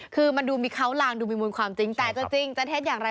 คือมันดูมีเขาลางดูมีมูลความจริงแต่จะจริงจะเท็จอย่างไร